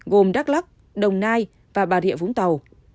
gồm đắk lắc đồng nai và bà rịa vũng tàu